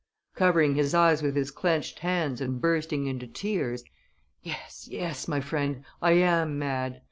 Covering his eyes with his clinched hands and bursting into tears, 'Yes, yes, my friend, I am mad!